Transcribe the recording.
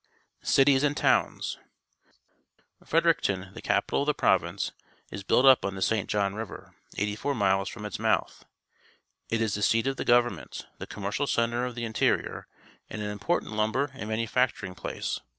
Cities and Towns. — Fredericton. the capi tal of the province , is built up on the St. John River, eighty four miles from ita mouth . It is the^seat of the govern ment^ the commercial centre_of the interior, and an impo rtant lumbe r and manufacturing glace.